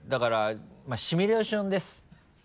まぁシミュレーションです